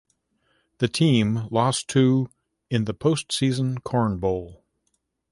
The team lost to in the postseason Corn Bowl.